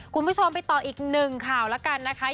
คุณผู้ชมไปต่ออีก๑ข่าวละกันนะคะ